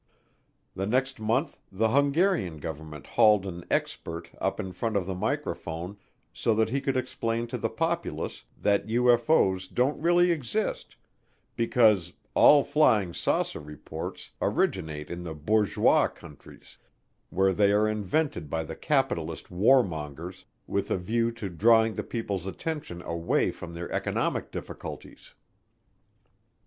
The next month the Hungarian Government hauled an "expert" up in front of the microphone so that he could explain to the populace that UFO's don't really exist because, "all 'flying saucer' reports originate in the bourgeois countries, where they are invented by the capitalist warmongers with a view to drawing the people's attention away from their economic difficulties."